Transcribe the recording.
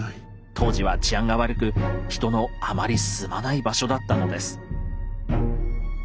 当時は治安が悪く人のあまり住まない場所だったのです。